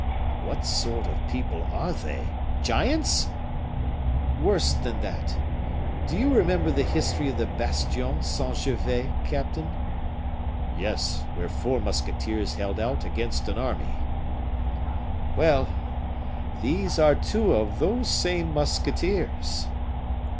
"What sort of people are they giants?" "Worse than that. Do you remember the history of the Bastion Saint Gervais, captain?" "Yes; where four musketeers held out against an army." "Well, these are two of those same musketeers."